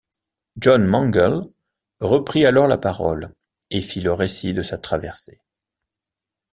John Mangles reprit alors la parole, et fit le récit de sa traversée.